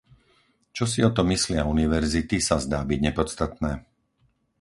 Čo si o tom myslia univerzity, sa zdá byť nepodstatné.